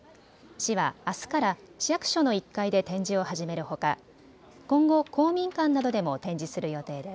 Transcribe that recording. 市は、あすから市役所の１階で展示を始めるほか今後、公民館などでも展示する予定です。